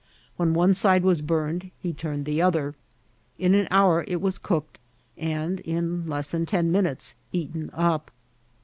When one side was burned, he turned the other* In an hour it was cooked, and in lees than ten minutes eaten up.